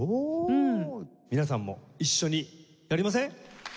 皆さんも一緒にやりません？